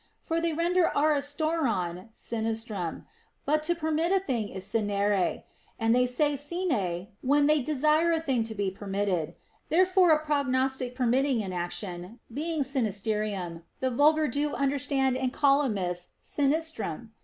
For they render άριστερόν sinistrum ; but to permit a thing is sinere, and they say sine when they desire a thing to be permitted ; therefore a prognostic per mitting an action (being sinisterium) the vulgar do under stand and call amiss sinistrum.